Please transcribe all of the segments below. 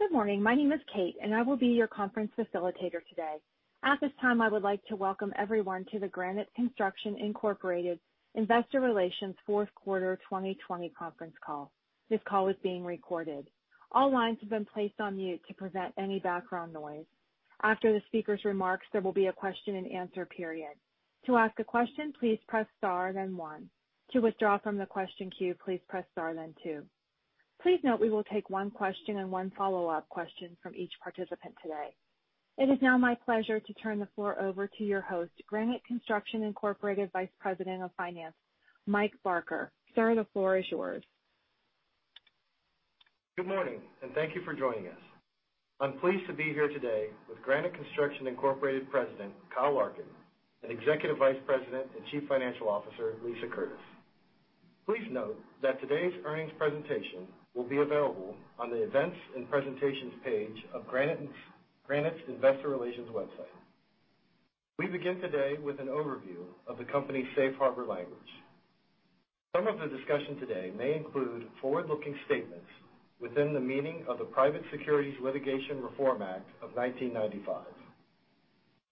Good morning. My name is Kate, and I will be your conference facilitator today. At this time, I would like to welcome everyone to the Granite Construction Incorporated Investor Relations Fourth Quarter 2020 conference call. This call is being recorded. All lines have been placed on mute to prevent any background noise. After the speaker's remarks, there will be a question-and-answer period. To ask a question, please press star then one. To withdraw from the question queue, please press star then two. Please note we will take one question and one follow-up question from each participant today. It is now my pleasure to turn the floor over to your host, Granite Construction Incorporated Vice President of Finance, Mike Barker. Sir, the floor is yours. Good morning, and thank you for joining us. I'm pleased to be here today with Granite Construction Incorporated President Kyle Larkin and Executive Vice President and Chief Financial Officer Lisa Curtis. Please note that today's earnings presentation will be available on the events and presentations page of Granite's Investor Relations website. We begin today with an overview of the company's safe harbor language. Some of the discussion today may include forward-looking statements within the meaning of the Private Securities Litigation Reform Act of 1995.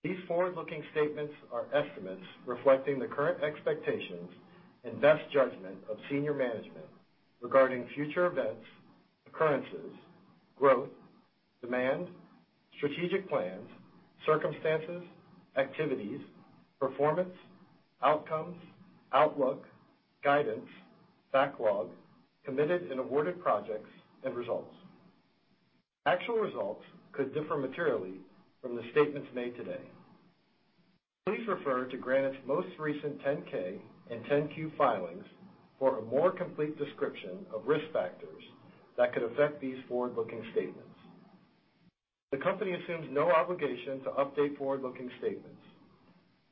These forward-looking statements are estimates reflecting the current expectations and best judgment of senior management regarding future events, occurrences, growth, demand, strategic plans, circumstances, activities, performance, outcomes, outlook, guidance, backlog, committed and awarded projects, and results. Actual results could differ materially from the statements made today. Please refer to Granite's most recent 10-K and 10-Q filings for a more complete description of risk factors that could affect these forward-looking statements. The company assumes no obligation to update forward-looking statements,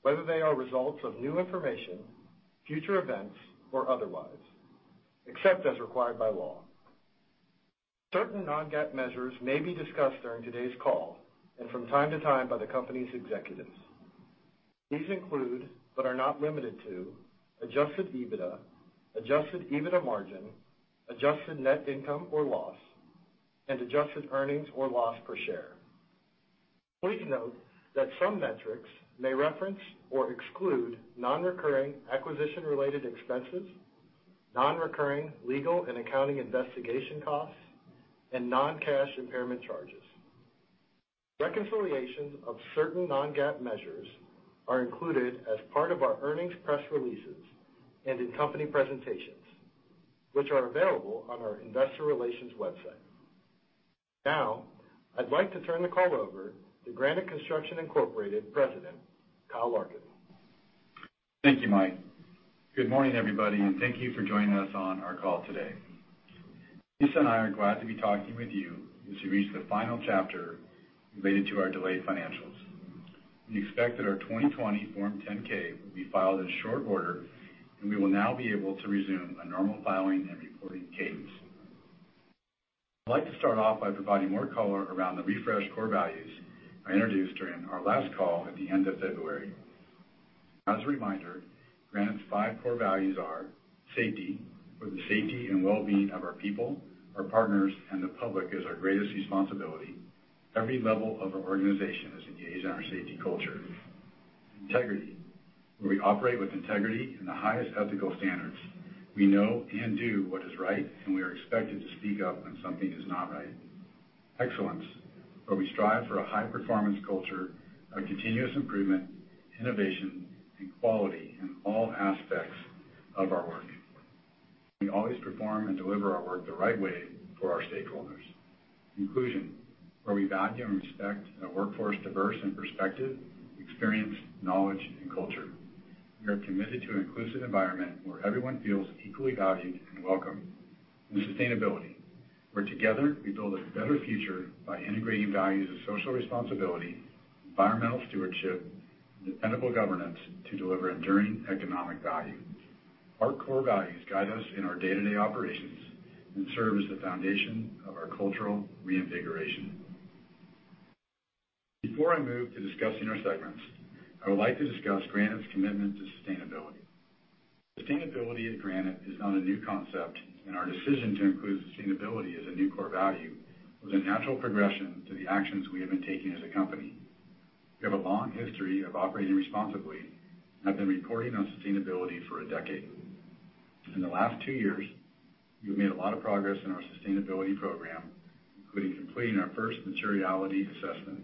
whether they are results of new information, future events, or otherwise, except as required by law. Certain non-GAAP measures may be discussed during today's call and from time to time by the company's executives. These include, but are not limited to, adjusted EBITDA, adjusted EBITDA margin, adjusted net income or loss, and adjusted earnings or loss per share. Please note that some metrics may reference or exclude non-recurring acquisition-related expenses, non-recurring legal and accounting investigation costs, and non-cash impairment charges. Reconciliations of certain non-GAAP measures are included as part of our earnings press releases and in company presentations, which are available on our Investor Relations website. Now, I'd like to turn the call over to Granite Construction Incorporated President Kyle Larkin. Thank you, Mike. Good morning, everybody, and thank you for joining us on our call today. Lisa and I are glad to be talking with you as we reach the final chapter related to our delayed financials. We expect that our 2020 Form 10-K will be filed in short order, and we will now be able to resume a normal filing and reporting cadence. I'd like to start off by providing more color around the refreshed core values I introduced during our last call at the end of February. As a reminder, Granite's five core values are: safety, for the safety and well-being of our people, our partners, and the public is our greatest responsibility. Every level of our organization is engaged in our safety culture. Integrity, where we operate with integrity and the highest ethical standards. We know and do what is right, and we are expected to speak up when something is not right. Excellence, where we strive for a high-performance culture of continuous improvement, innovation, and quality in all aspects of our work. We always perform and deliver our work the right way for our stakeholders. Inclusion, where we value and respect a workforce diverse in perspective, experience, knowledge, and culture. We are committed to an inclusive environment where everyone feels equally valued and welcome. And sustainability, where together we build a better future by integrating values of social responsibility, environmental stewardship, and dependable governance to deliver enduring economic value. Our core values guide us in our day-to-day operations and serve as the foundation of our cultural reinvigoration. Before I move to discussing our segments, I would like to discuss Granite's commitment to sustainability. Sustainability at Granite is not a new concept, and our decision to include sustainability as a new core value was a natural progression to the actions we have been taking as a company. We have a long history of operating responsibly and have been reporting on sustainability for a decade. In the last two years, we have made a lot of progress in our sustainability program, including completing our first materiality assessment.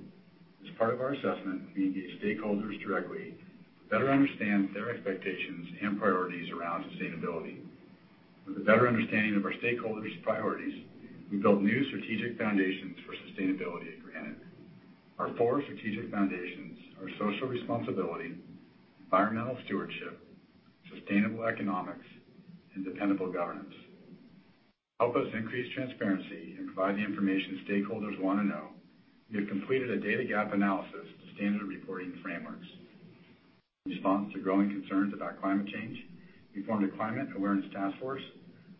As part of our assessment, we engage stakeholders directly to better understand their expectations and priorities around sustainability. With a better understanding of our stakeholders' priorities, we build new strategic foundations for sustainability at Granite. Our four strategic foundations are social responsibility, environmental stewardship, sustainable economics, and dependable governance. Help us increase transparency and provide the information stakeholders want to know. We have completed a data gap analysis to standard reporting frameworks. In response to growing concerns about climate change, we formed a climate awareness task force,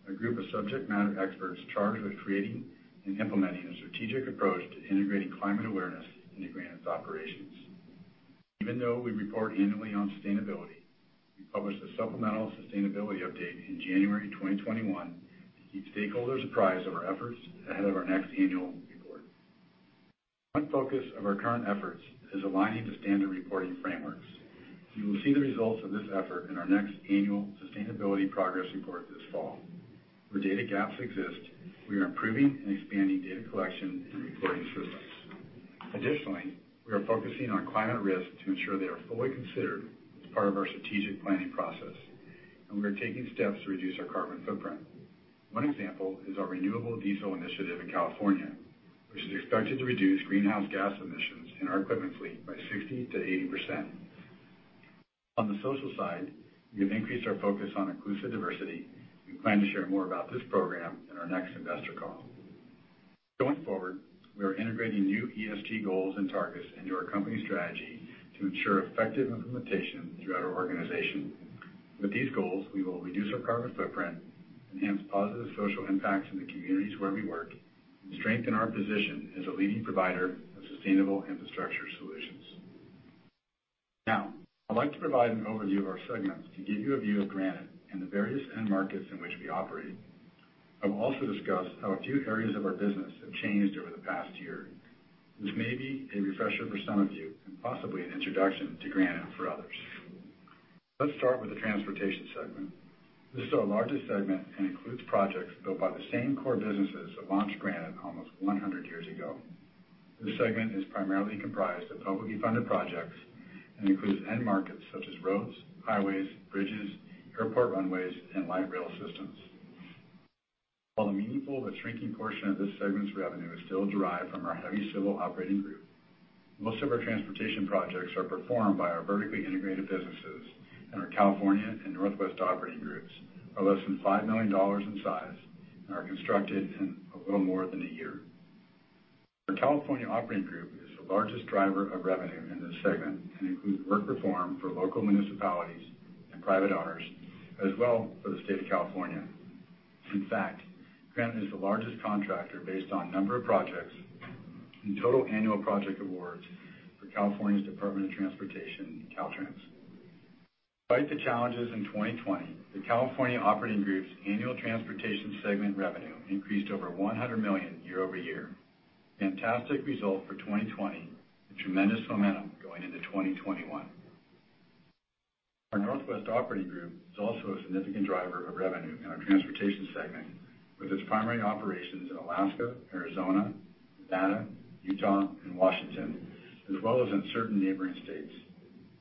a group of subject matter experts charged with creating and implementing a strategic approach to integrating climate awareness into Granite's operations. Even though we report annually on sustainability, we published a supplemental sustainability update in January 2021 to keep stakeholders apprised of our efforts ahead of our next annual report. One focus of our current efforts is aligning to standard reporting frameworks. You will see the results of this effort in our next annual sustainability progress report this fall. Where data gaps exist, we are improving and expanding data collection and reporting systems. Additionally, we are focusing on climate risk to ensure they are fully considered as part of our strategic planning process, and we are taking steps to reduce our carbon footprint. One example is our renewable diesel initiative in California, which is expected to reduce greenhouse gas emissions in our equipment fleet by 60%-80%. On the social side, we have increased our focus on inclusive diversity, and we plan to share more about this program in our next investor call. Going forward, we are integrating new ESG goals and targets into our company strategy to ensure effective implementation throughout our organization. With these goals, we will reduce our carbon footprint, enhance positive social impacts in the communities where we work, and strengthen our position as a leading provider of sustainable infrastructure solutions. Now, I'd like to provide an overview of our segments to give you a view of Granite and the various end markets in which we operate. I will also discuss how a few areas of our business have changed over the past year. This may be a refresher for some of you and possibly an introduction to Granite for others. Let's start with the transportation segment. This is our largest segment and includes projects built by the same core businesses that launched Granite almost 100 years ago. This segment is primarily comprised of publicly funded projects and includes end markets such as roads, highways, bridges, airport runways, and light rail systems. While a meaningful but shrinking portion of this segment's revenue is still derived from our Heavy Civil Operating Group, most of our transportation projects are performed by our vertically integrated businesses, and our California and Northwest Operating Groups are less than $5 million in size and are constructed in a little more than a year. Our California Operating Group is the largest driver of revenue in this segment and includes work for local municipalities and private owners, as well as for the state of California. In fact, Granite is the largest contractor based on number of projects and total annual project awards for California's Department of Transportation, Caltrans. Despite the challenges in 2020, the California Operating Group's annual transportation segment revenue increased over $100 million year-over-year. Fantastic result for 2020 and tremendous momentum going into 2021. Our Northwest Operating Group is also a significant driver of revenue in our transportation segment, with its primary operations in Alaska, Arizona, Nevada, Utah, and Washington, as well as in certain neighboring states.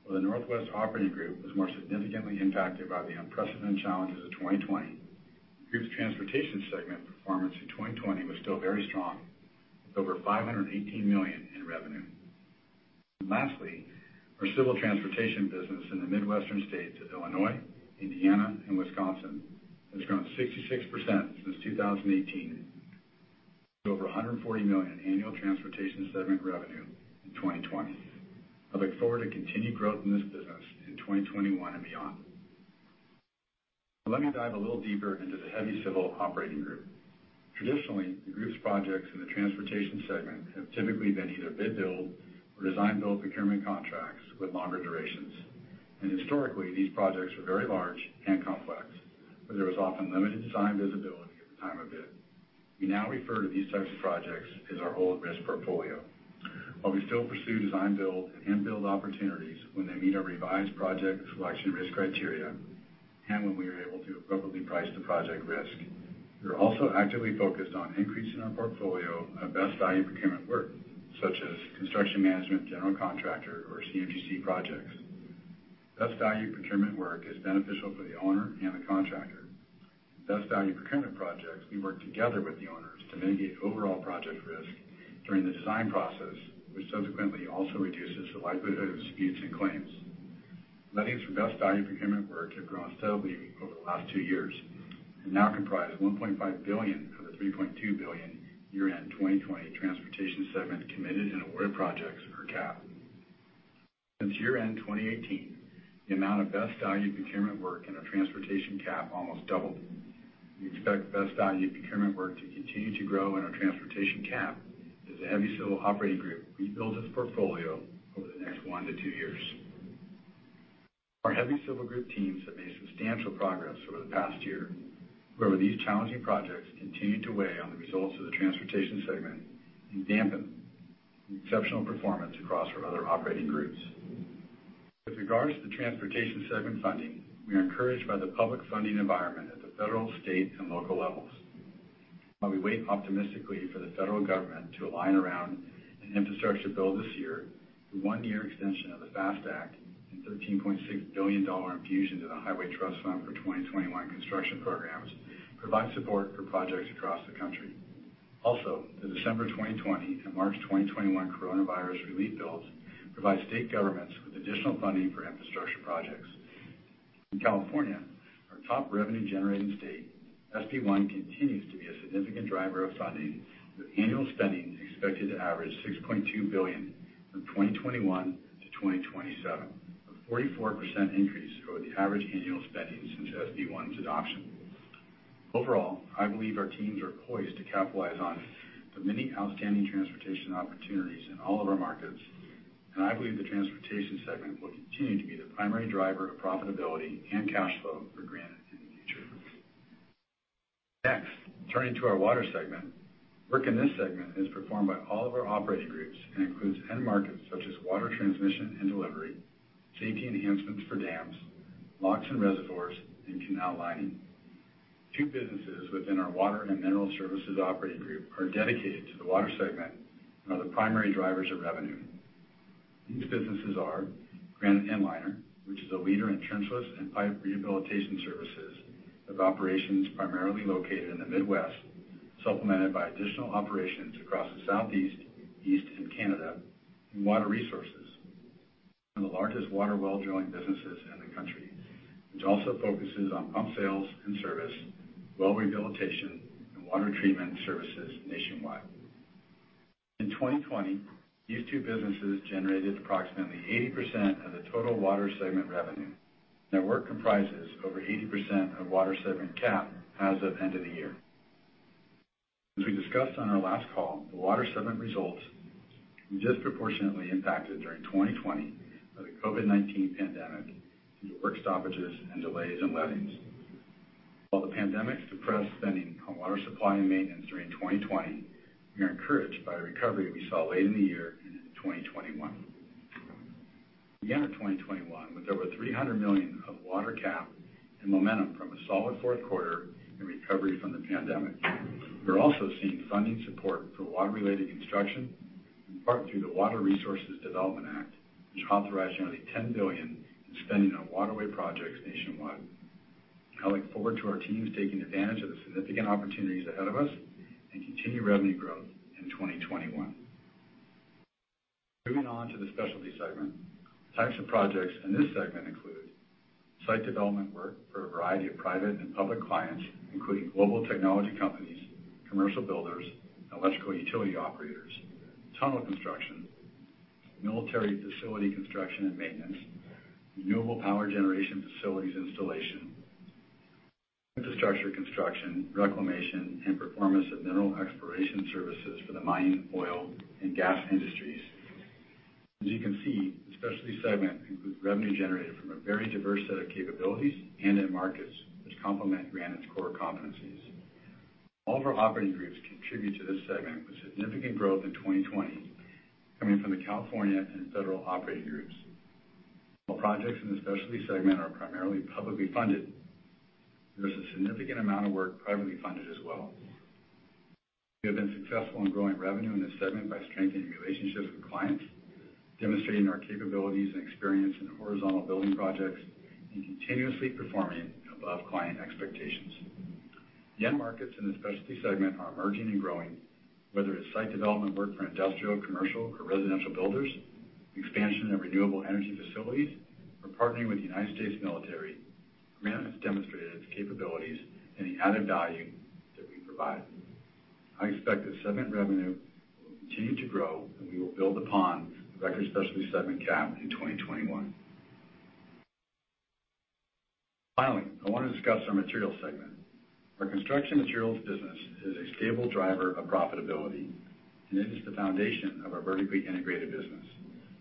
While the Northwest Operating Group was more significantly impacted by the unprecedented challenges of 2020, the group's transportation segment performance in 2020 was still very strong, with over $518 million in revenue. Lastly, our civil transportation business in the Midwestern states of Illinois, Indiana, and Wisconsin has grown 66% since 2018 to over $140 million annual transportation segment revenue in 2020. I look forward to continued growth in this business in 2021 and beyond. Let me dive a little deeper into the Heavy Civil Operating Group. Traditionally, the group's projects in the transportation segment have typically been either Bid-build or Design-build procurement contracts with longer durations. Historically, these projects were very large and complex, where there was often limited design visibility at the time of bid. We now refer to these types of projects as our Old Risk Portfolio. While we still pursue design-build and bid-build opportunities when they meet our revised project selection risk criteria and when we are able to appropriately price the project risk, we are also actively focused on increasing our portfolio of best value procurement work, such as construction management general contractor or CM/GC projects. Best value procurement work is beneficial for the owner and the contractor. Best value procurement projects. We work together with the owners to mitigate overall project risk during the design process, which subsequently also reduces the likelihood of disputes and claims. Wins for best value procurement work have grown steadily over the last two years and now comprise $1.5 billion of the $3.2 billion year-end 2020 transportation segment committed and awarded projects, or CAP. Since year-end 2018, the amount of best value procurement work in our transportation CAP almost doubled. We expect best value procurement work to continue to grow in our transportation CAP as the Heavy Civil Operating Group rebuilds its portfolio over the next one to two years. Our Heavy Civil Group teams have made substantial progress over the past year, where these challenging projects continue to weigh on the results of the transportation segment and dampen the exceptional performance across our other operating groups. With regards to the transportation segment funding, we are encouraged by the public funding environment at the federal, state, and local levels. While we wait optimistically for the federal government to align around an infrastructure build this year, the one-year extension of the FAST Act and $13.6 billion infusion to the Highway Trust Fund for 2021 construction programs provide support for projects across the country. Also, the December 2020 and March 2021 coronavirus relief bills provide state governments with additional funding for infrastructure projects. In California, our top revenue-generating state, SB1, continues to be a significant driver of funding, with annual spending expected to average $6.2 billion from 2021 to 2027, a 44% increase over the average annual spending since SB1's adoption. Overall, I believe our teams are poised to capitalize on the many outstanding transportation opportunities in all of our markets, and I believe the transportation segment will continue to be the primary driver of profitability and cash flow for Granite in the future. Next, turning to our water segment, work in this segment is performed by all of our operating groups and includes end markets such as water transmission and delivery, safety enhancements for dams, locks and reservoirs, and canal lining. Two businesses within our Water and Mineral Services Operating Group are dedicated to the water segment and are the primary drivers of revenue. These businesses are Granite Inliner, which is a leader in trenchless and pipe rehabilitation services with operations primarily located in the Midwest, supplemented by additional operations across the Southeast, East, and Canada, and Water Resources, one of the largest water well drilling businesses in the country, which also focuses on pump sales and service, well rehabilitation, and water treatment services nationwide. In 2020, these two businesses generated approximately 80% of the total water segment revenue, and their work comprises over 80% of water segment CAP as of end of the year. As we discussed on our last call, the water segment results were disproportionately impacted during 2020 by the COVID-19 pandemic due to work stoppages and delays in lettings. While the pandemic suppressed spending on water supply and maintenance during 2020, we are encouraged by a recovery we saw late in the year into 2021. At the end of 2021, with over $300 million of water CAP and momentum from a solid fourth quarter and recovery from the pandemic, we are also seeing funding support for water-related construction, in part through the Water Resources Development Act, which authorized nearly $10 billion in spending on waterway projects nationwide. I look forward to our teams taking advantage of the significant opportunities ahead of us and continued revenue growth in 2021. Moving on to the specialty segment, types of projects in this segment include site development work for a variety of private and public clients, including global technology companies, commercial builders, and electrical utility operators, tunnel construction, military facility construction and maintenance, renewable power generation facilities installation, infrastructure construction, reclamation, and performance of mineral exploration services for the mining, oil, and gas industries. As you can see, the specialty segment includes revenue generated from a very diverse set of capabilities and end markets, which complement Granite's core competencies. All of our operating groups contribute to this segment with significant growth in 2020, coming from the California and Federal Operating Group. While projects in the specialty segment are primarily publicly funded, there is a significant amount of work privately funded as well. We have been successful in growing revenue in this segment by strengthening relationships with clients, demonstrating our capabilities and experience in horizontal building projects, and continuously performing above client expectations. The end markets in the specialty segment are emerging and growing. Whether it's site development work for industrial, commercial, or residential builders, expansion of renewable energy facilities, or partnering with the United States military, Granite has demonstrated its capabilities and the added value that we provide. I expect the segment revenue will continue to grow, and we will build upon the record specialty segment CAP in 2021. Finally, I want to discuss our materials segment. Our construction materials business is a stable driver of profitability, and it is the foundation of our vertically integrated business.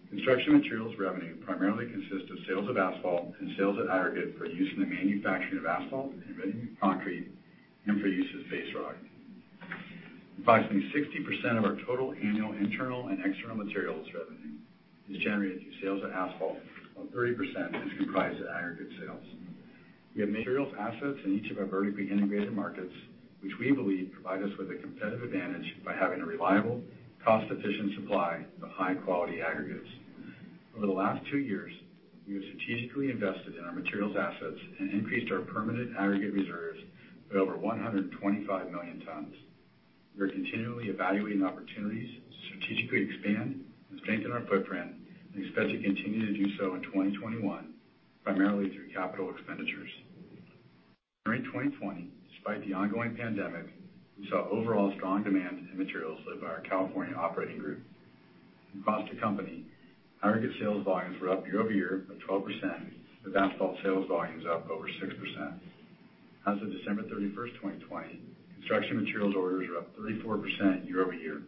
Construction materials revenue primarily consists of sales of asphalt and sales of aggregate for use in the manufacturing of asphalt and ready-mixed concrete and for use as base rock. Approximately 60% of our total annual internal and external materials revenue is generated through sales of asphalt, while 30% is comprised of aggregate sales. We have materials assets in each of our vertically integrated markets, which we believe provide us with a competitive advantage by having a reliable, cost-efficient supply of high-quality aggregates. Over the last two years, we have strategically invested in our materials assets and increased our permanent aggregate reserves by over 125,000,000 tons. We are continually evaluating opportunities to strategically expand and strengthen our footprint and expect to continue to do so in 2021, primarily through capital expenditures. During 2020, despite the ongoing pandemic, we saw overall strong demand in materials led by our California operating group. Across the company, aggregate sales volumes were up year-over-year by 12%, with asphalt sales volumes up over 6%. As of December 31, 2020, construction materials orders were up 34% year-over-year.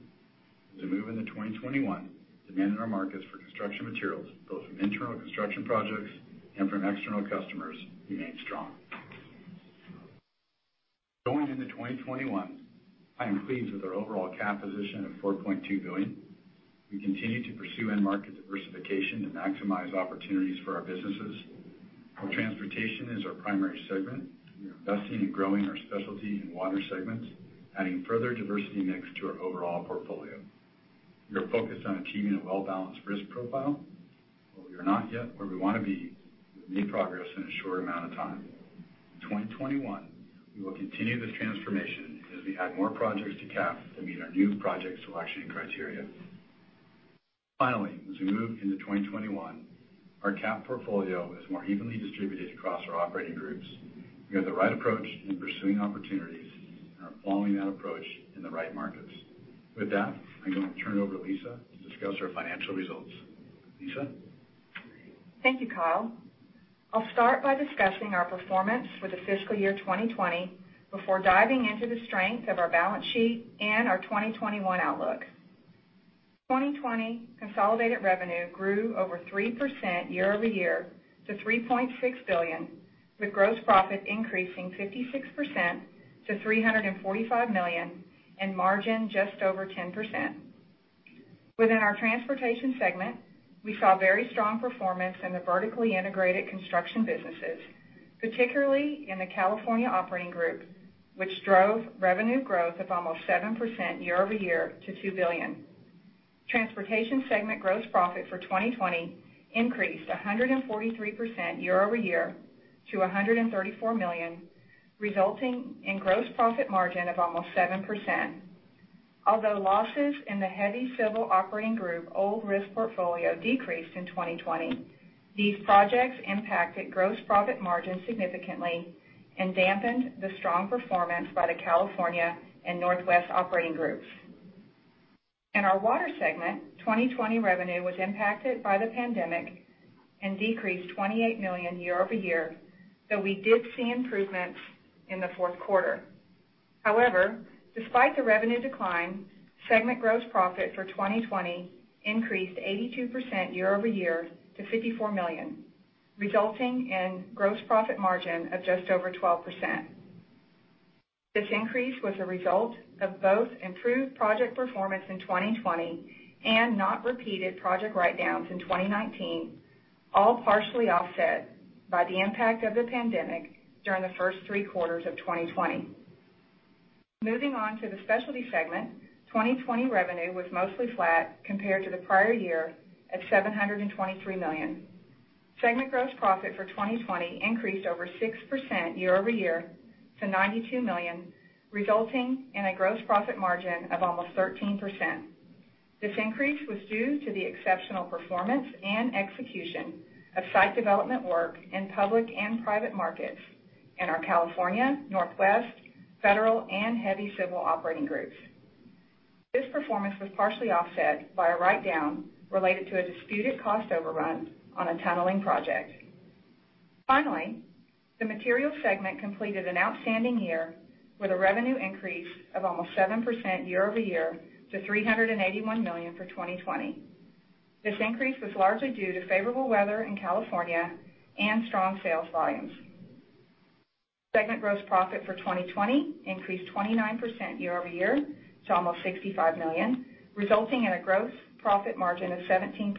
As we move into 2021, demand in our markets for construction materials, both from internal construction projects and from external customers, remained strong. Going into 2021, I am pleased with our overall CAP position of $4.2 billion. We continue to pursue end market diversification to maximize opportunities for our businesses. Our transportation is our primary segment. We are investing and growing our specialty and water segments, adding further diversity mix to our overall portfolio. We are focused on achieving a well-balanced risk profile, but we are not yet where we want to be. We've made progress in a short amount of time. In 2021, we will continue this transformation as we add more projects to CAP to meet our new project selection criteria. Finally, as we move into 2021, our CAP portfolio is more evenly distributed across our operating groups. We have the right approach in pursuing opportunities and are following that approach in the right markets. With that, I'm going to turn it over to Lisa to discuss our financial results. Lisa. Thank you, Kyle. I'll start by discussing our performance for the fiscal year 2020 before diving into the strength of our balance sheet and our 2021 outlook.2020 consolidated revenue grew over 3% year-over-year to $3.6 billion, with gross profit increasing 56% to $345 million and margin just over 10%. Within our transportation segment, we saw very strong performance in the vertically integrated construction businesses, particularly in the California operating group, which drove revenue growth of almost 7% year-over-year to $2 billion. Transportation segment gross profit for 2020 increased 143% year-over-year to $134 million, resulting in gross profit margin of almost 7%. Although losses in the Heavy Civil Operating Group Old risk portfolio decreased in 2020, these projects impacted gross profit margin significantly and dampened the strong performance by the California and Northwest Operating Groups. In our water segment, 2020 revenue was impacted by the pandemic and decreased $28 million year-over-year, though we did see improvements in the fourth quarter. However, despite the revenue decline, segment gross profit for 2020 increased 82% year-over-year to $54 million, resulting in gross profit margin of just over 12%. This increase was a result of both improved project performance in 2020 and non-repeated project write-downs in 2019, all partially offset by the impact of the pandemic during the first three quarters of 2020. Moving on to the specialty segment, 2020 revenue was mostly flat compared to the prior year at $723 million. Segment gross profit for 2020 increased over 6% year-over-year to $92 million, resulting in a gross profit margin of almost 13%. This increase was due to the exceptional performance and execution of site development work in public and private markets in our California, Northwest, federal, and Heavy Civil Operating Groups. This performance was partially offset by a write-down related to a disputed cost overrun on a tunneling project. Finally, the materials segment completed an outstanding year with a revenue increase of almost 7% year-over-year to $381 million for 2020. This increase was largely due to favorable weather in California and strong sales volumes. Segment gross profit for 2020 increased 29% year-over-year to almost $65 million, resulting in a gross profit margin of 17%.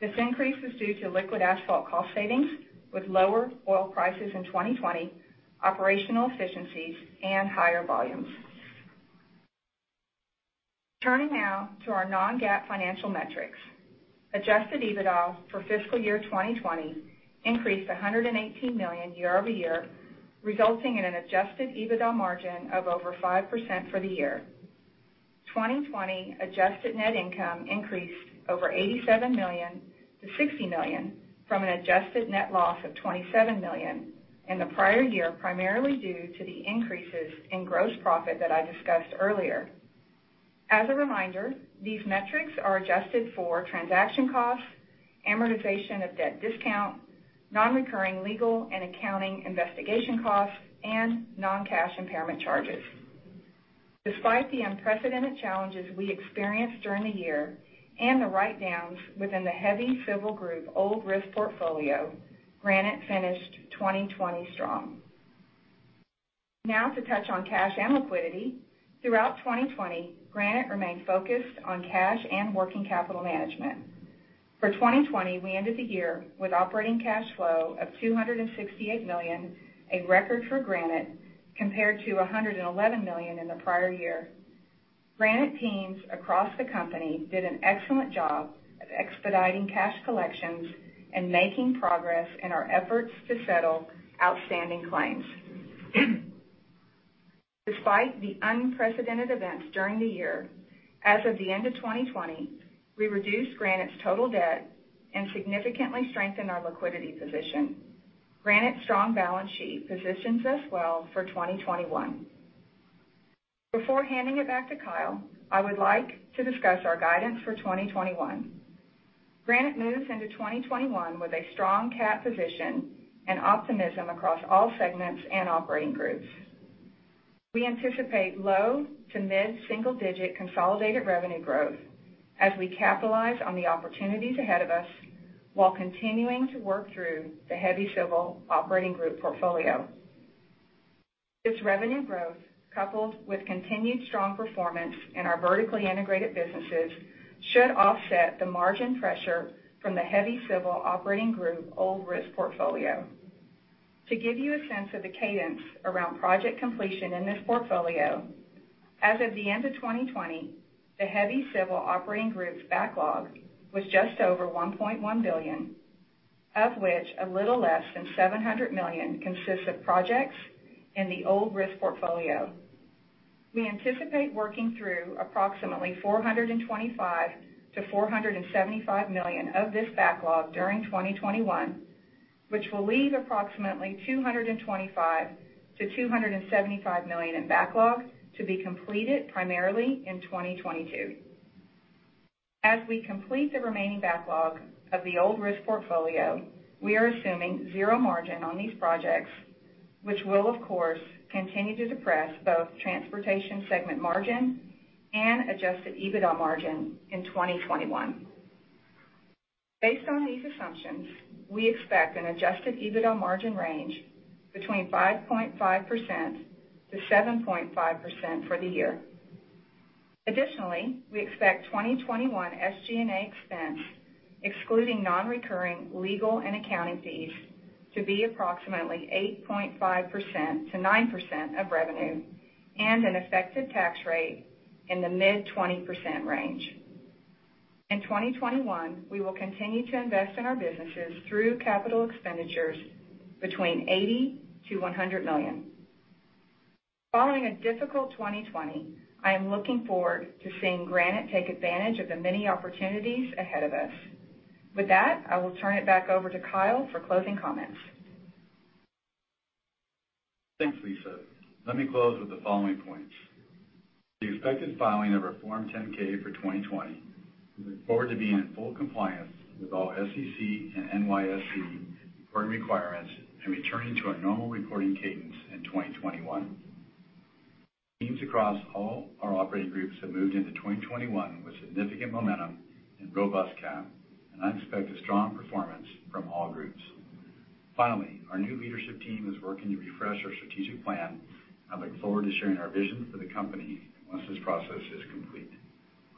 This increase is due to liquid asphalt cost savings, with lower oil prices in 2020, operational efficiencies, and higher volumes. Turning now to our non-GAAP financial metrics, Adjusted EBITDA for fiscal year 2020 increased $118 million year-over-year, resulting in an Adjusted EBITDA margin of over 5% for the year. 2020 adjusted net income increased over $87 million to $60 million from an adjusted net loss of $27 million in the prior year, primarily due to the increases in gross profit that I discussed earlier. As a reminder, these metrics are adjusted for transaction costs, amortization of debt discount, non-recurring legal and accounting investigation costs, and non-cash impairment charges. Despite the unprecedented challenges we experienced during the year and the write-downs within the heavy civil group Old Risk Portfolio, Granite finished 2020 strong. Now to touch on cash and liquidity. Throughout 2020, Granite remained focused on cash and working capital management. For 2020, we ended the year with operating cash flow of $268 million, a record for Granite, compared to $111 million in the prior year. Granite teams across the company did an excellent job of expediting cash collections and making progress in our efforts to settle outstanding claims. Despite the unprecedented events during the year, as of the end of 2020, we reduced Granite's total debt and significantly strengthened our liquidity position. Granite's strong balance sheet positions us well for 2021. Before handing it back to Kyle, I would like to discuss our guidance for 2021. Granite moves into 2021 with a strong CAP position and optimism across all segments and operating groups. We anticipate low to mid-single-digit consolidated revenue growth as we capitalize on the opportunities ahead of us while continuing to work through the Heavy Civil Operating Group portfolio. This revenue growth, coupled with continued strong performance in our vertically integrated businesses, should offset the margin pressure from the Heavy Civil Operating Group Old Risk Portfolio. To give you a sense of the cadence around project completion in this portfolio, as of the end of 2020, the Heavy Civil Operating Group's backlog was just over $1.1 billion, of which a little less than $700 million consists of projects in the Old Risk Portfolio. We anticipate working through approximately $425 million-$475 million of this backlog during 2021, which will leave approximately $225 million-$275 million in backlog to be completed primarily in 2022. As we complete the remaining backlog of the Old Risk Portfolio, we are assuming zero margin on these projects, which will, of course, continue to depress both transportation segment margin and Adjusted EBITDA margin in 2021. Based on these assumptions, we expect an Adjusted EBITDA margin range between 5.5%-7.5% for the year. Additionally, we expect 2021 SG&A expense, excluding non-recurring legal and accounting fees, to be approximately 8.5%-9% of revenue and an effective tax rate in the mid-20% range. In 2021, we will continue to invest in our businesses through capital expenditures between $80 million-$100 million. Following a difficult 2020, I am looking forward to seeing Granite take advantage of the many opportunities ahead of us. With that, I will turn it back over to Kyle for closing comments. Thanks, Lisa. Let me close with the following points. The expected filing of Form 10-K for 2020. We look forward to being in full compliance with all SEC and NYSE reporting requirements and returning to our normal reporting cadence in 2021. Teams across all our operating groups have moved into 2021 with significant momentum and robust CAP, and I expect a strong performance from all groups. Finally, our new leadership team is working to refresh our strategic plan, and I look forward to sharing our vision for the company once this process is complete.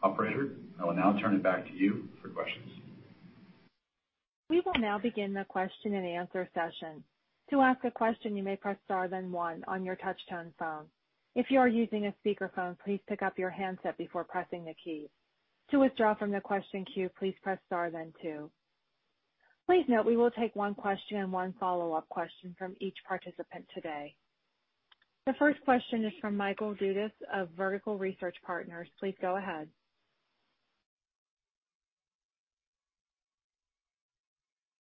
Operator, I will now turn it back to you for questions. We will now begin the question and answer session. To ask a question, you may press star then one on your touch-tone phone. If you are using a speakerphone, please pick up your handset before pressing the key. To withdraw from the question queue, please press star then two. Please note we will take one question and one follow-up question from each participant today. The first question is from Michael Dudas of Vertical Research Partners. Please go ahead.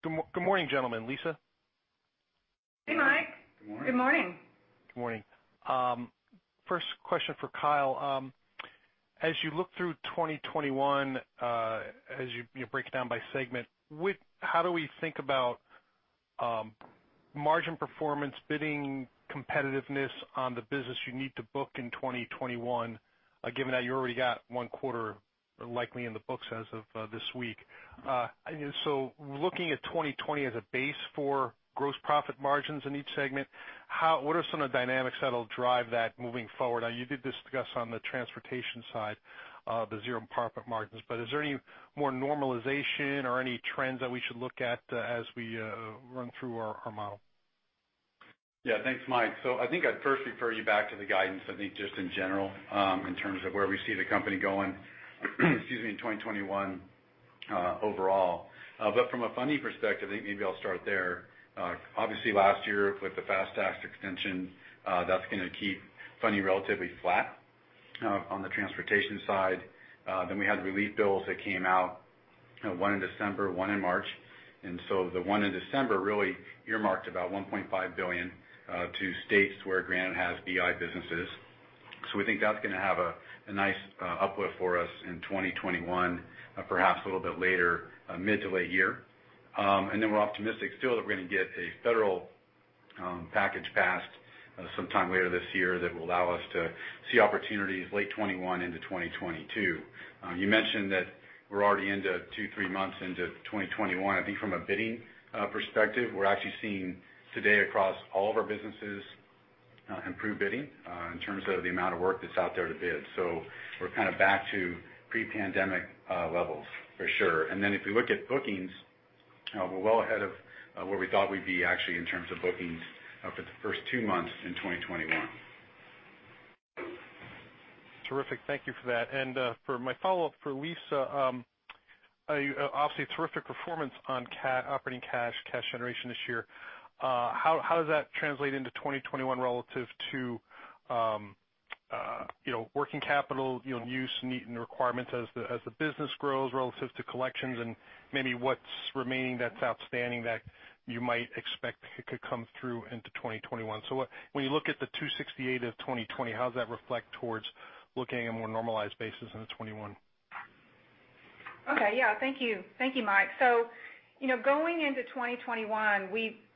Good morning, gentlemen. Lisa. Hey, Mike. Good morning. Good morning. Good morning. First question for Kyle. As you look through 2021, as you break it down by segment, how do we think about margin performance, bidding competitiveness on the business you need to book in 2021, given that you already got one quarter likely in the books as of this week? So looking at 2020 as a base for gross profit margins in each segment, what are some of the dynamics that'll drive that moving forward? You did discuss on the transportation side the zero impairment margins, but is there any more normalization or any trends that we should look at as we run through our model? Yeah. Thanks, Mike. So I think I'd first refer you back to the guidance, I think, just in general, in terms of where we see the company going in 2021 overall. But from a funding perspective, I think maybe I'll start there. Obviously, last year with the FAST Act extension, that's going to keep funding relatively flat on the transportation side. Then we had relief bills that came out, one in December, one in March. And so the one in December really earmarked about $1.5 billion to states where Granite has bid businesses. So we think that's going to have a nice uplift for us in 2021, perhaps a little bit later, mid to late year. And then we're optimistic still that we're going to get a federal package passed sometime later this year that will allow us to see opportunities late 2021 into 2022. You mentioned that we're already into two, three months into 2021. I think from a bidding perspective, we're actually seeing today across all of our businesses improve bidding in terms of the amount of work that's out there to bid. So we're kind of back to pre-pandemic levels, for sure. And then if we look at bookings, we're well ahead of where we thought we'd be actually in terms of bookings for the first two months in 2021. Terrific. Thank you for that. For my follow-up for Lisa, obviously, terrific performance on operating cash, cash generation this year. How does that translate into 2021 relative to working capital, use, need, and requirements as the business grows relative to collections and maybe what's remaining that's outstanding that you might expect could come through into 2021? So when you look at the $268 million of 2020, how does that reflect towards looking at a more normalized basis into 2021? Okay. Yeah. Thank you. Thank you, Mike. So going into 2021,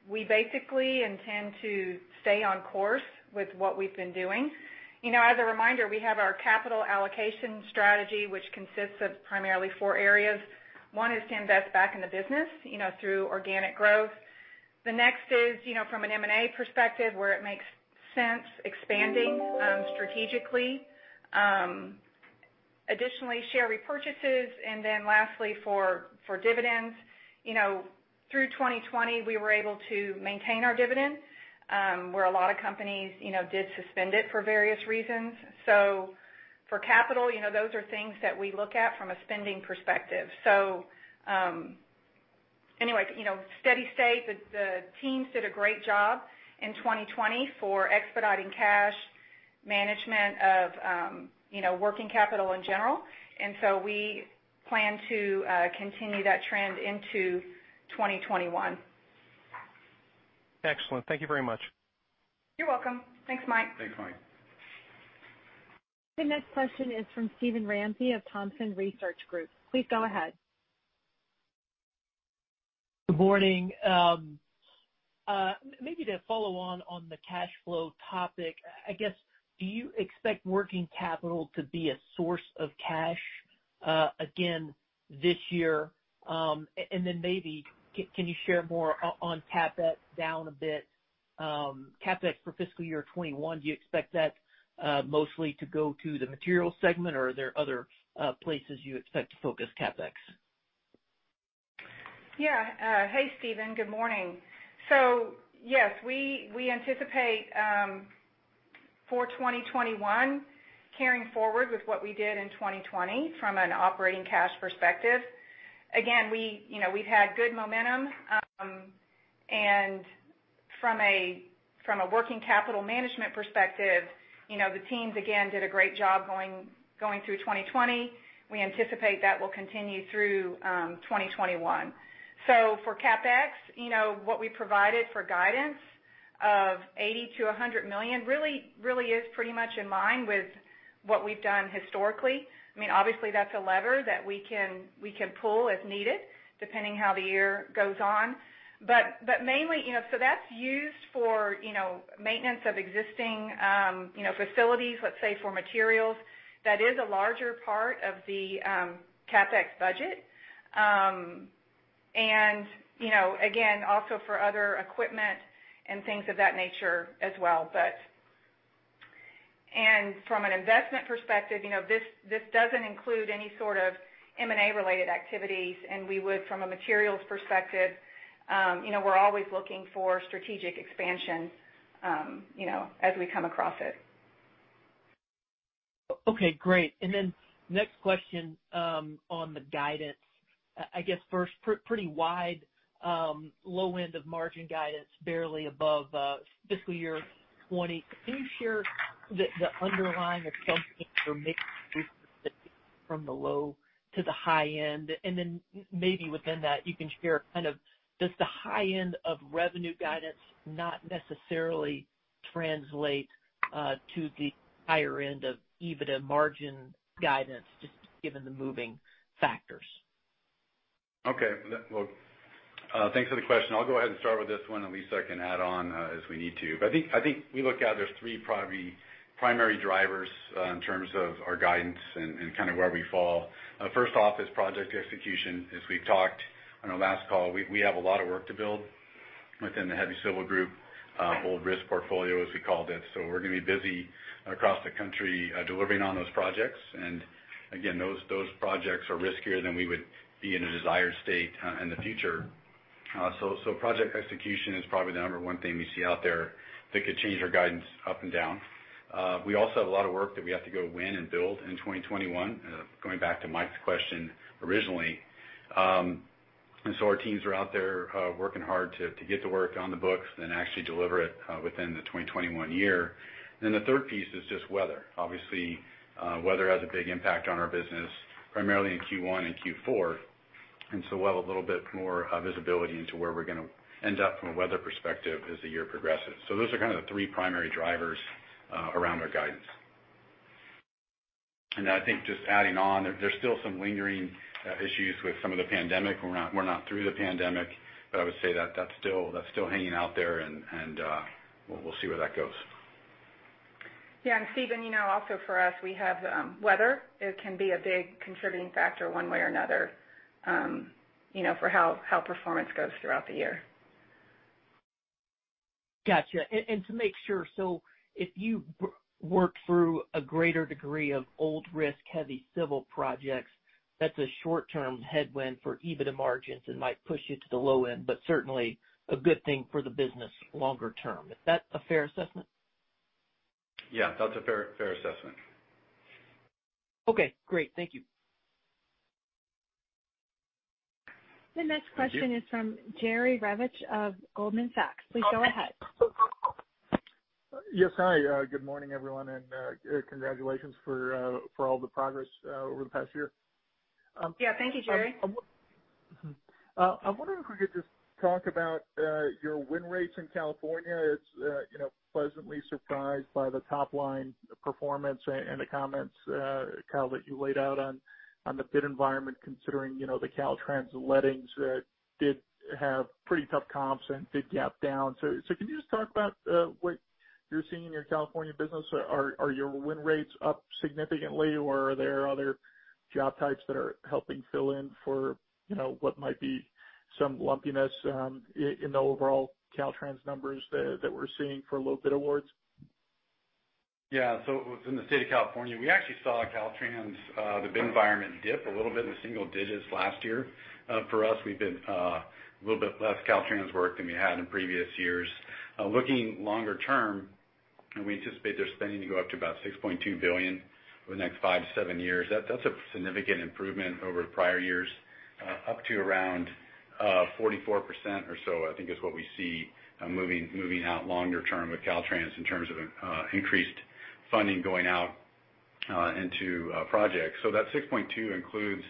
we basically intend to stay on course with what we've been doing. As a reminder, we have our capital allocation strategy, which consists of primarily four areas. One is to invest back in the business through organic growth. The next is from an M&A perspective, where it makes sense expanding strategically. Additionally, share repurchases. And then lastly, for dividends, through 2020, we were able to maintain our dividend, where a lot of companies did suspend it for various reasons. So for capital, those are things that we look at from a spending perspective. So anyway, steady state, the teams did a great job in 2020 for expediting cash, management of working capital in general. And so we plan to continue that trend into 2021. Excellent. Thank you very much. You're welcome. Thanks, Mike. Thanks, Mike. The next question is from Steven Ramsey of Thompson Research Group. Please go ahead. Good morning. Maybe to follow on the cash flow topic, I guess, do you expect working capital to be a source of cash again this year? And then maybe can you share more on CapEx down a bit? CapEx for fiscal year 2021, do you expect that mostly to go to the materials segment, or are there other places you expect to focus CapEx? Yeah. Hey, Steven. Good morning. So yes, we anticipate for 2021 carrying forward with what we did in 2020 from an operating cash perspective. Again, we've had good momentum. And from a working capital management perspective, the teams again did a great job going through 2020. We anticipate that will continue through 2021. So for CapEx, what we provided for guidance of $80 million-$100 million really is pretty much in line with what we've done historically. I mean, obviously, that's a lever that we can pull if needed, depending how the year goes on. But mainly, so that's used for maintenance of existing facilities, let's say, for materials. That is a larger part of the CapEx budget. And again, also for other equipment and things of that nature as well. And from an investment perspective, this doesn't include any sort of M&A-related activities. And we would, from a materials perspective, we're always looking for strategic expansion as we come across it. Okay. Great. And then next question on the guidance. I guess first, pretty wide low end of margin guidance, barely above fiscal year 2020. Can you share the underlying assumptions or maybe from the low to the high end? And then maybe within that, you can share kind of does the high end of revenue guidance not necessarily translate to the higher end of EBITDA margin guidance, just given the moving factors? Okay. Well, thanks for the question. I'll go ahead and start with this one, and Lisa can add on as we need to. But I think we look at there's three primary drivers in terms of our guidance and kind of where we fall. First off is project execution. As we've talked on our last call, we have a lot of work to build within the Heavy Civil Group, Old Risk Portfolio, as we called it. So we're going to be busy across the country delivering on those projects. And again, those projects are riskier than we would be in a desired state in the future. So project execution is probably the number one thing we see out there that could change our guidance up and down. We also have a lot of work that we have to go win and build in 2021, going back to Mike's question originally. And so our teams are out there working hard to get the work on the books and then actually deliver it within the 2021 year. And then the third piece is just weather. Obviously, weather has a big impact on our business, primarily in Q1 and Q4. And so we'll have a little bit more visibility into where we're going to end up from a weather perspective as the year progresses. So those are kind of the three primary drivers around our guidance. And I think just adding on, there's still some lingering issues with some of the pandemic. We're not through the pandemic, but I would say that's still hanging out there, and we'll see where that goes. Yeah. And Steven, also for us, we have weather. It can be a big contributing factor one way or another for how performance goes throughout the year. Gotcha. To make sure, so if you work through a greater degree of old risk, heavy civil projects, that's a short-term headwind for EBITDA margins and might push you to the low end, but certainly a good thing for the business longer term. Is that a fair assessment? Yeah. That's a fair assessment. Okay. Great. Thank you. The next question is from Jerry Revich of Goldman Sachs. Please go ahead. Yes. Hi. Good morning, everyone. And congratulations for all the progress over the past year. Yeah. Thank you, Jerry. I'm wondering if we could just talk about your win rates in California. It's pleasantly surprised by the top-line performance and the comments, Kyle, that you laid out on the bid environment, considering the Caltrans and Lettings did have pretty tough comps and did gap down. So can you just talk about what you're seeing in your California business? Are your win rates up significantly, or are there other job types that are helping fill in for what might be some lumpiness in the overall Caltrans numbers that we're seeing for low bid awards? Yeah. So in the state of California, we actually saw Caltrans' bid environment dip a little bit in the single digits last year. For us, we bid a little bit less Caltrans work than we had in previous years. Looking longer term, we anticipate their spending to go up to about $6.2 billion over the next 5-7 years. That's a significant improvement over prior years, up to around 44% or so, I think, is what we see moving out longer term with Caltrans in terms of increased funding going out into projects. So that $6.2 billion includes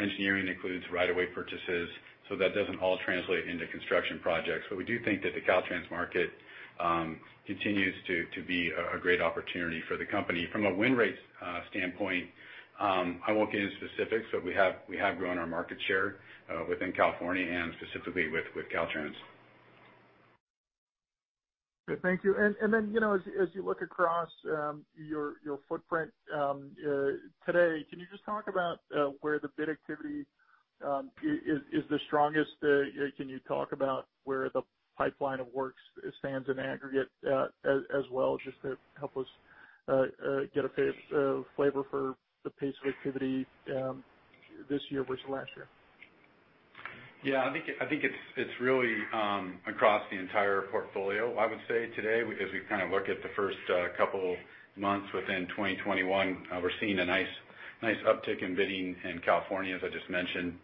engineering, includes right-of-way purchases. So that doesn't all translate into construction projects. But we do think that the Caltrans market continues to be a great opportunity for the company. From a win rates standpoint, I won't get into specifics, but we have grown our market share within California and specifically with Caltrans. Thank you. And then as you look across your footprint today, can you just talk about where the bid activity is the strongest? Can you talk about where the pipeline of works stands in aggregate as well, just to help us get a flavor for the pace of activity this year versus last year? Yeah. I think it's really across the entire portfolio, I would say, today. As we kind of look at the first couple months within 2021, we're seeing a nice uptick in bidding in California, as I just mentioned.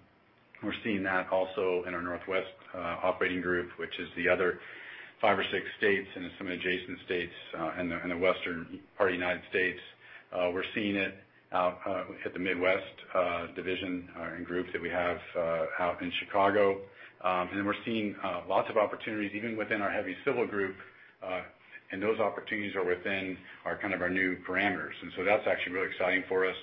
We're seeing that also in our Northwest Operating Group, which is the other five or six states and some adjacent states in the western part of the United States. We're seeing it at the Midwest division and group that we have out in Chicago. And then we're seeing lots of opportunities, even within our Heavy Civil Group. And those opportunities are within kind of our new parameters. And so that's actually really exciting for us.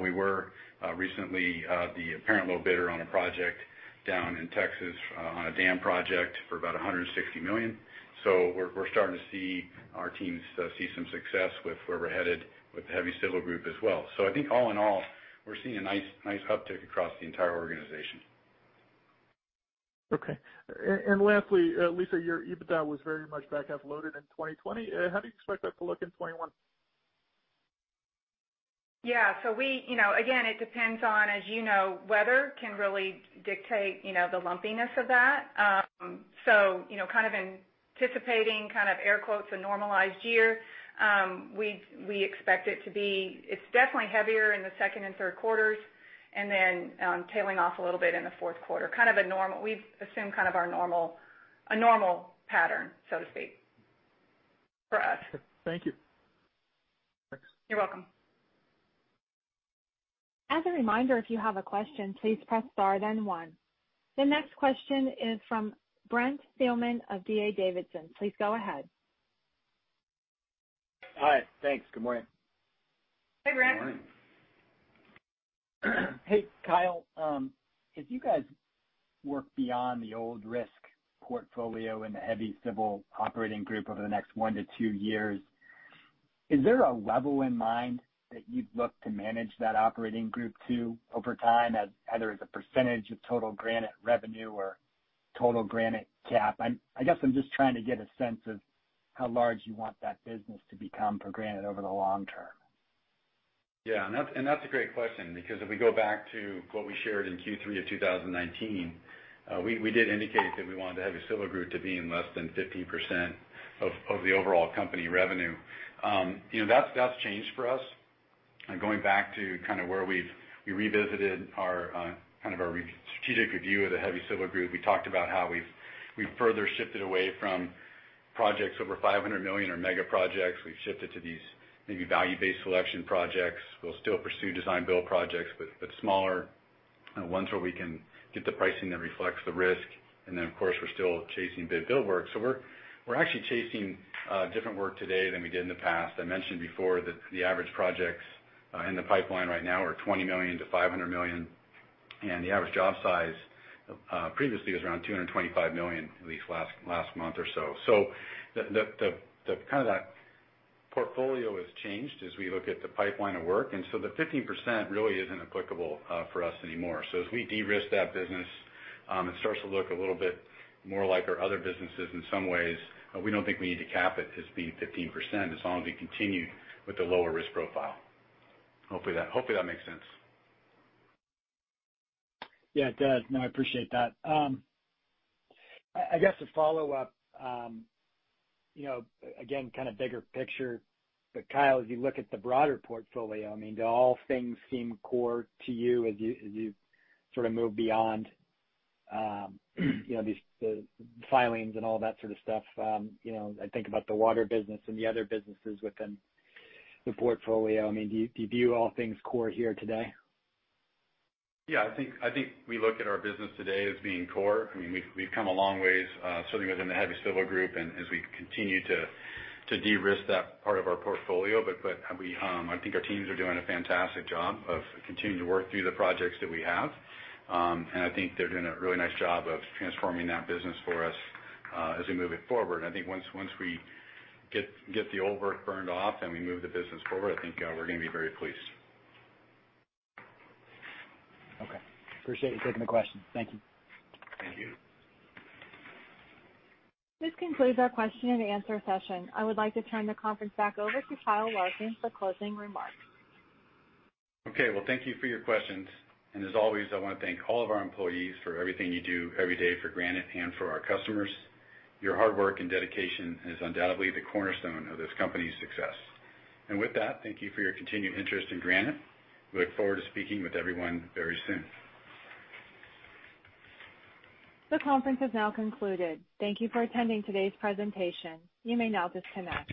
We were recently the apparent low bidder on a project down in Texas on a dam project for about $160 million. So we're starting to see our teams see some success with where we're headed with the Heavy Civil Group as well. So I think all in all, we're seeing a nice uptick across the entire organization. And lastly, Lisa, your EBITDA was very much back half loaded in 2020. How do you expect that to look in 2021? Yeah. So again, it depends on, as you know, weather can really dictate the lumpiness of that. So kind of anticipating kind of "a normalized year," we expect it to be it's definitely heavier in the second and third quarters and then tailing off a little bit in the fourth quarter. Kind of a normal we assume kind of our normal pattern, so to speak, for us. Thank you. You're welcome. As a reminder, if you have a question, please press star, then one. The next question is from Brent Thielman of D.A. Davidson. Please go ahead. Hi. Thanks. Good morning. Hey, Brent. Good morning. Hey, Kyle. If you guys work beyond the Old Risk Portfolio in the Heavy Civil Operating Group over the next 1-2 years, is there a level in mind that you'd look to manage that operating group to over time, either as a percentage of total Granite revenue or total Granite CAP? I guess I'm just trying to get a sense of how large you want that business to become for Granite over the long term. Yeah. And that's a great question because if we go back to what we shared in Q3 of 2019, we did indicate that we wanted the Heavy Civil Group to be in less than 50% of the overall company revenue. That's changed for us. Going back to kind of where we revisited kind of our strategic review of the Heavy Civil Group, we talked about how we've further shifted away from projects over $500 million or mega projects. We've shifted to these maybe value-based selection projects. We'll still pursue design-build projects, but smaller ones where we can get the pricing that reflects the risk. And then, of course, we're still chasing bid-build work. So we're actually chasing different work today than we did in the past. I mentioned before that the average projects in the pipeline right now are $20 million-$500 million. And the average job size previously was around $225 million, at least last month or so. So kind of that portfolio has changed as we look at the pipeline of work. And so the 15% really isn't applicable for us anymore. So as we de-risk that business, it starts to look a little bit more like our other businesses in some ways. We don't think we need to cap it as being 15% as long as we continue with the lower risk profile. Hopefully, that makes sense. Yeah, it does. No, I appreciate that. I guess to follow up, again, kind of bigger picture. But Kyle, as you look at the broader portfolio, I mean, do all things seem core to you as you sort of move beyond the filings and all that sort of stuff? I think about the water business and the other businesses within the portfolio. I mean, do you view all things core here today? Yeah. I think we look at our business today as being core. I mean, we've come a long ways, certainly within the Heavy Civil Group, and as we continue to de-risk that part of our portfolio. But I think our teams are doing a fantastic job of continuing to work through the projects that we have. And I think they're doing a really nice job of transforming that business for us as we move it forward. And I think once we get the old work burned off and we move the business forward, I think we're going to be very pleased. Okay. Appreciate you taking the question. Thank you. Thank you. This concludes our question and answer session. I would like to turn the conference back over to Kyle Larkin for closing remarks. Okay. Well, thank you for your questions. As always, I want to thank all of our employees for everything you do every day for Granite and for our customers. Your hard work and dedication is undoubtedly the cornerstone of this company's success. With that, thank you for your continued interest in Granite. We look forward to speaking with everyone very soon. The conference has now concluded. Thank you for attending today's presentation. You may now disconnect.